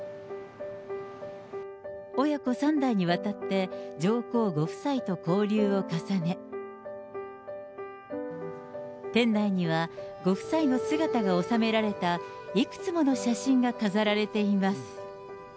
親子３代にわたって、上皇ご夫妻と交流を重ね、店内には、ご夫妻の姿が収められたいくつもの写真が飾られています。